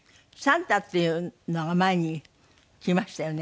燦太っていうのが前に来ましたよね。